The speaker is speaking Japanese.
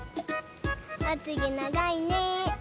まつげながいね。